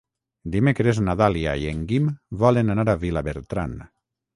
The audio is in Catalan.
Dimecres na Dàlia i en Guim volen anar a Vilabertran.